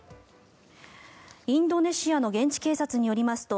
インドネシアの現地警察によりますと